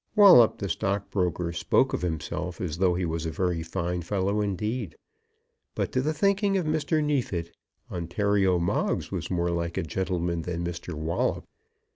Wallop the stockbroker spoke of himself as though he was a very fine fellow indeed; but to the thinking of Mr. Neefit, Ontario Moggs was more like a gentleman than Mr. Wallop.